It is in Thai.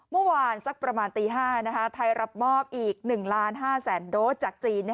เมื่อวานสักประมาณตี๕ไทยรับมอบอีก๑๕๐๐๐โดสจากจีน